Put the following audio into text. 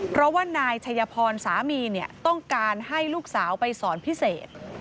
เพราะว่านายชัยพรสามีต้องการให้ลูกสาวไปสอนพิเศษ